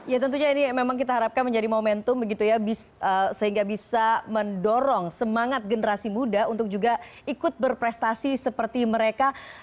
ya tentunya ini memang kita harapkan menjadi momentum begitu ya sehingga bisa mendorong semangat generasi muda untuk juga ikut berprestasi seperti mereka